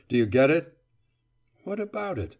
Do you get it?" "What about it?"